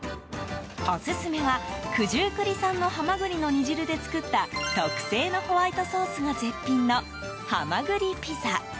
オススメは、九十九里産のハマグリの煮汁で作った特製のホワイトソースが絶品のはまぐりピザ。